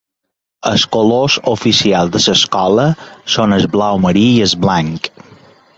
Els colors oficials de l'escola són el blau marí i el blanc.